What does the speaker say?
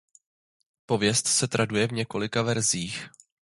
Pověst se traduje v několika verzích.